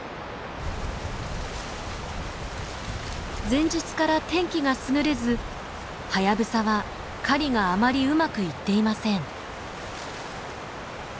前日から天気が優れずハヤブサは狩りがあまりうまくいっていません。